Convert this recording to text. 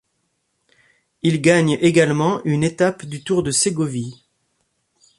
Il gagne également une étape du Tour de Ségovie.